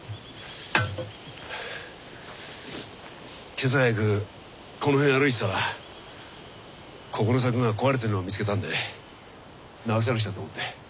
今朝早くこの辺歩いてたらここの柵が壊れてるの見つけたんで直さなくちゃと思って。